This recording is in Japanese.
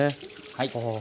はい。